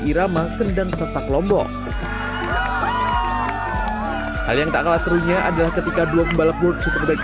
irama kendang sesak lombok hal yang tak kalah serunya adalah ketika dua pembalap world superbike